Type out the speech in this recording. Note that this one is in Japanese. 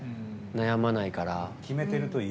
悩まないから。